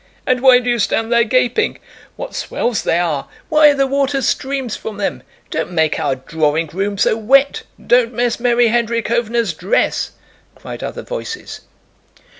"And why do you stand there gaping?" "What swells they are! Why, the water streams from them! Don't make our drawing room so wet." "Don't mess Mary Hendríkhovna's dress!" cried other voices.